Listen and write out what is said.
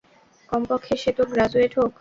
কমপক্ষে সে তো গ্র্যাজুয়েট হউক।